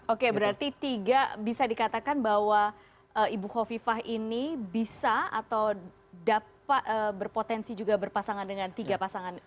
oke berarti tiga bisa dikatakan bahwa ibu khofifah ini bisa atau dapat berpotensi juga berpasangan dengan tiga pasangan